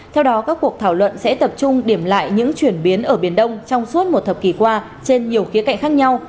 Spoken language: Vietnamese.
theo đó các cuộc thảo luận sẽ tập trung điểm lại những chuyển biến ở biển đông trong suốt một thập kỷ qua trên nhiều khía cạnh khác nhau